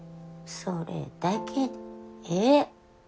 それだけでええ。